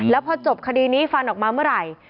แล้วพอจบคดีนี้ฟันออกมาเมื่อไหร่